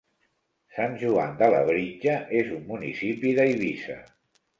Sant Joan de Labritja és un municipi d'Eivissa.